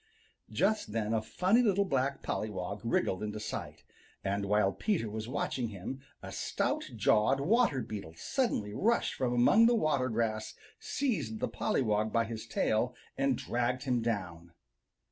Just then a funny little black pollywog wriggled into sight, and while Peter was watching him, a stout jawed water beetle suddenly rushed from among the water grass, seized the pollywog by his tail, and dragged him down.